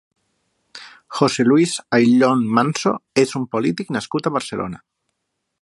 José Luis Ayllón Manso és un polític nascut a Barcelona.